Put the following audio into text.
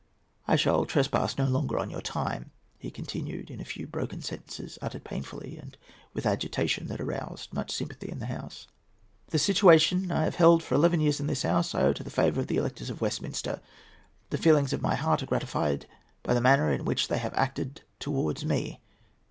"I shall not trespass longer on your time," he continued, in a few broken sentences, uttered painfully and with agitation that aroused much sympathy in the House. "The situation I have held for eleven years in this House I owe to the favour of the electors of Westminster. The feelings of my heart are gratified by the manner in which they have acted towards me.